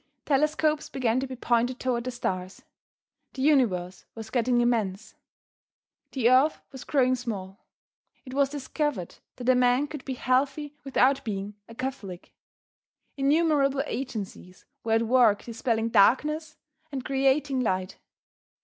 Telescopes began to be pointed toward the stars. The Universe was getting immense. The Earth was growing small. It was discovered that a man could be healthy without being a Catholic. Innumerable agencies were at work dispelling darkness and creating light.